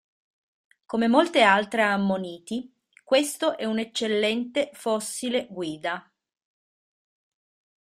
Come molte altre ammoniti, questo è un eccellente fossile guida.